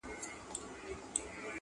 ښکلي همېش د سترګو پاس دا لړمان ساتي -